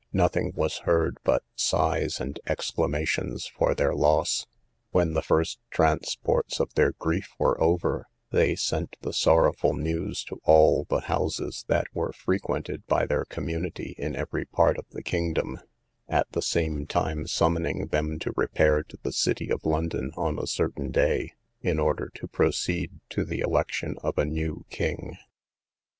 Nothing was heard but sighs and exclamations for their loss. When the first transports of their grief were over, they sent the sorrowful news to all the houses that were frequented by their community in every part of the kingdom; at the same time summoning them to repair to the city of London on a certain day, in order to proceed to the election of a new king.